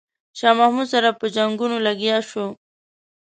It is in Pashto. شاه محمود سره په جنګونو لګیا شو.